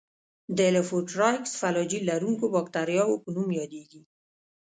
د لوفوټرایکس فلاجیل لرونکو باکتریاوو په نوم یادیږي.